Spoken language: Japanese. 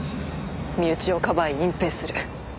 身内をかばい隠蔽する。